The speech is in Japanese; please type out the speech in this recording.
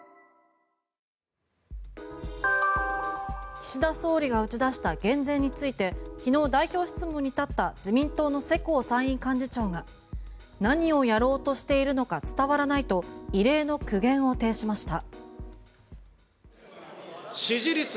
岸田総理が打ち出した減税について昨日、代表質問に立った自民党の世耕参院幹事長が何をやろうとしているのか伝わらないと異例の苦言を呈しました。